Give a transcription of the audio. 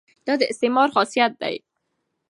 دا د استعمار خاصیت دی.